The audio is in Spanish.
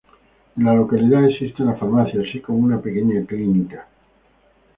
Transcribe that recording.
En la localidad existe una farmacia así como una pequeña clínica.